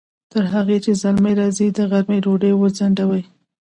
تر هغې چې زلمی راځي، د غرمې ډوډۍ وځڼډوئ!